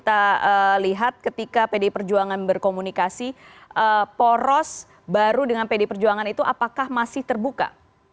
apa yang sempat kita lihat ketika pd perjuangan berkomunikasi poros baru dengan pd perjuangan itu apakah masih terbuka